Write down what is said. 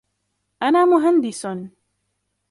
انا مهندس.